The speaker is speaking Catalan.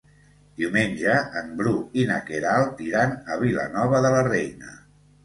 Diumenge en Bru i na Queralt iran a Vilanova de la Reina.